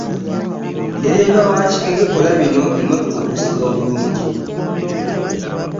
Ddereva wa Kigege kola bino emotoka okusiba obulunji.